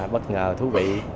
bất ngờ thú vị